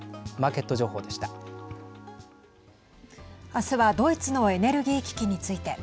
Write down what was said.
明日は、ドイツのエネルギー危機について。